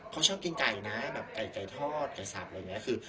เขาชอบกินไก่นะแบบไก่ไก่ทอดไก่สับอะไรอย่างนี้คือ